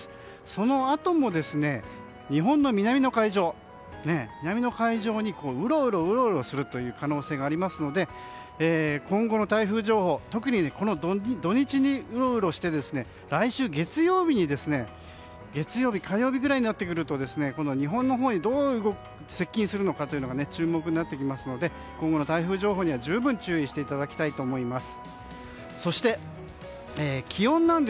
そのあとも日本の南の海上にうろうろするという可能性がありますので今後の台風情報特にこの土日にうろうろして来週月曜日火曜日ぐらいになってくると日本にどう接近するのか注目になってきますので今後の台風情報には十分注意していただきたいと思います。